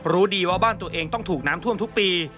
รู้ดีว่าบ้านตัวเองต้องถูกน้ำท่วมทุกปี